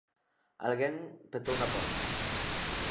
Alguén petou na porta.